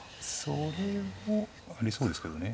それも。ありそうですけどね。